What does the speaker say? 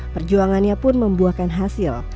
perjuangannya pun membuahkan hasil